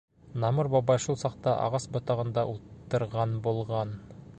Намур бабай шул саҡта ағас ботағында ултырған булған.